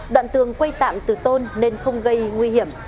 đoạn tường quây tạm từ tôn nên không gây nguy hiểm